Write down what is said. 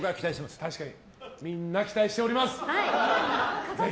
みんな期待しております！